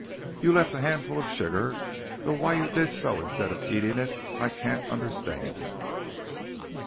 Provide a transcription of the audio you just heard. You left a handful of sugar, though why you did so instead of eating it, I can't understand."